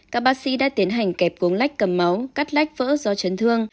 các bác sĩ đã tiến hành kẹp cuốn lách cầm máu cắt lách vỡ do chấn thương